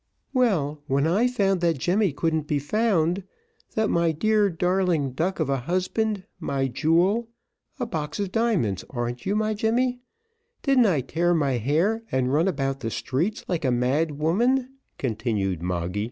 "Well when I found that Jemmy couldn't be found, that my dear darling duck of a husband my jewel, a box of diamonds (arn't you my Jemmy), didn't I tear my hair, and run about the streets, like a mad woman," continued Moggy.